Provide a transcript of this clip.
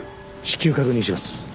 至急確認します。